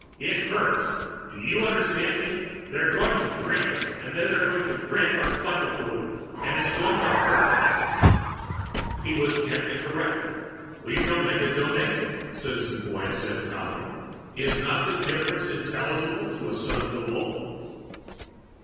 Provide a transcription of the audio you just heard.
It hurts. Do you understand me? They're going to drain us, and then they're going to drink our spinal fluid, and it's going to hurt." He was gently corrected. "We shall make the Donation," Citizen Boyne said calmly. "Is not the difference intelligible to a Son of the Wolf?"